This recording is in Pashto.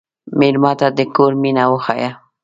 مېلمه ته د کور مینه وښیه.